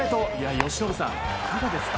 由伸さん、いかがですか？